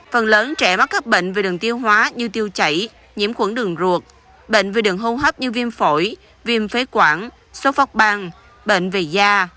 phần lớn trẻ mắc các bệnh về đường tiêu hóa như tiêu chảy nhiễm khuẩn đường ruột bệnh về đường hô hấp như viêm phổi viêm phế quản số phóc băng bệnh về da